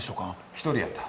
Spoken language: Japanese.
一人やった。